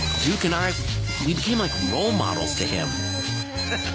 ハハハハ。